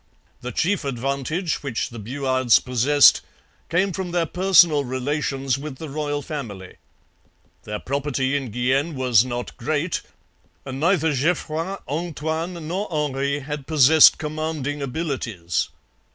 The chief advantage which the Buades possessed came from their personal relations with the royal family. Their property in Guienne was not great, and neither Geoffroy, Antoine, nor Henri had possessed commanding abilities.